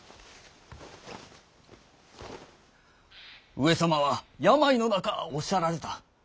上様は病の中おっしゃられた。